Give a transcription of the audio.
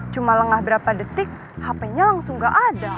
cuma lengah berapa detik hpnya langsung gak ada